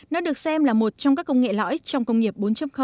nó được xem là một trong các công nghệ lõi trong công nghiệp bốn